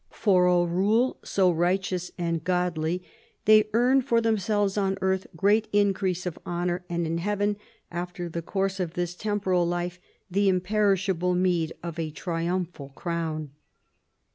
For a rule so righteous and godly they earn for themselves on earth great increase of honour, and in heaven, after the course of this temporal life, the imperishable meed of a triumphal crown.